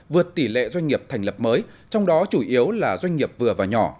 vượt tỷ lệ doanh nghiệp thành lập mới trong đó chủ yếu là doanh nghiệp vừa và nhỏ